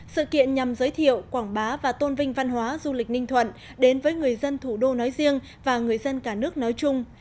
sự kiện nhằm giới thiệu quảng bá và tôn vinh văn hóa du lịch ninh thuận đến với người dân thủ đô nói riêng và người dân cả nước nói chung